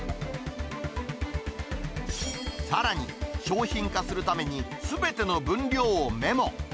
さらに、商品化するために、すべての分量をメモ。